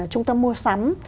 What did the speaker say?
trung tâm mua sắm